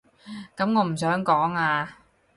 噉我唔想講啊